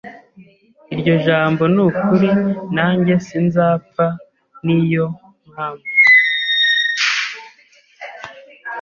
iryo jambo nukuri nanjye sinzapfa niyo mpamvu